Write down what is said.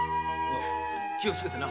「気をつけてな」